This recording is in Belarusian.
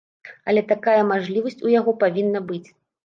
Але такая мажлівасць у яго павінна быць.